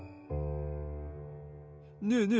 ねえねえ